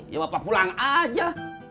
ya bapak pulang aja